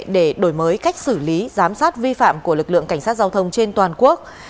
để đổi mới cách xử lý giám sát vi phạm của lực lượng cảnh sát giao thông trên toàn quốc